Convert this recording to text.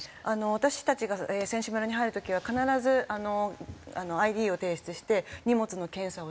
私たちが選手村に入る時は必ずあのＩＤを提出して荷物の検査をして。